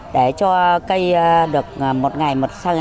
để cho cây